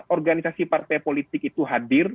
organisasi partai politik itu hadir